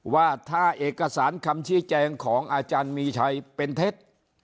ว่าถ้าเอกสารคำชี้แจงของอาจารย์มีชัยเป็นเท็จ